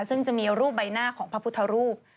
ซึ่งจะมีรูปใบหน้าของพระพุทธรูป